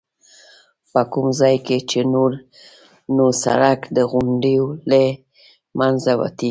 په کوم ځای کې چې نور نو سړک د غونډیو له منځه وتی.